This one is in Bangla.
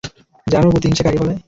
জানো প্রতিহিংসা কাকে বলে?